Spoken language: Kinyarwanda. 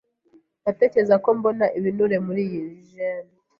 Ndatekereza ko mbona ibinure muri iyi jeans.